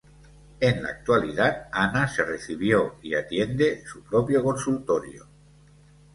En la actualidad, Ana se recibió y atiende su propio consultorio.